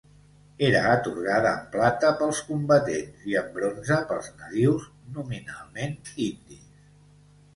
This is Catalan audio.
Era atorgada en plata pels combatents i en bronze pels nadius, nominalment indis.